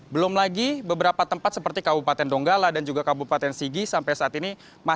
belum lagi beberapa tempat seperti kabupaten donggala dan juga kabupaten sigi sampai saat ini